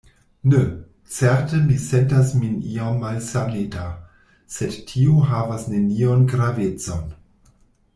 Ne; certe mi sentas min iom malsaneta; sed tio havas neniun gravecon.